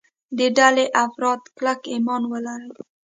د ډلې افراد کلک ایمان ولري.